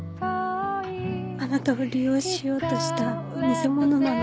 あなたを利用しようとした偽物なの。